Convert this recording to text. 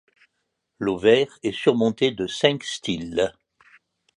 L'ovaire est surmonté de cinq styles.